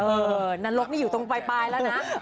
เอ่อนรกนี่อยู่ตรงไปแล้วนะ